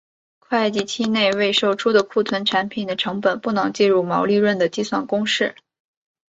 会计期内未售出的库存产品的成本不能计入毛利润的计算公式。